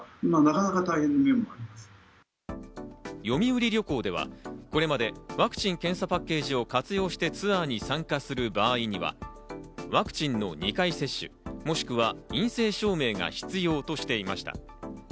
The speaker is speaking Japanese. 読売旅行では、これまでワクチン・検査パッケージを活用してツアーに参加する場合にはワクチンの２回接種、もしくは陰性証明が必要としていました。